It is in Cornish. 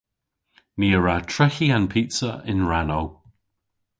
Ni a wra treghi an pizza yn rannow.